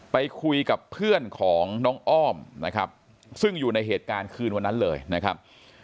ไปคุยกับเพื่อนของน้องอ้อมนะครับซึ่งอยู่ในเหตุการณ์คืนวันนั้นเลยนะครับ